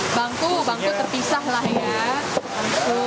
bangku bangku terpisah lah ya